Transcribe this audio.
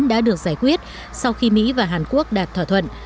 đã được giải quyết sau khi mỹ và hàn quốc đạt thỏa thuận